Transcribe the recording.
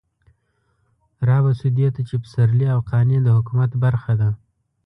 رابه شو دې ته چې پسرلي او قانع د حکومت برخه ده.